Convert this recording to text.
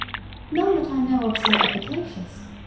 "None that I know of, so efficacious."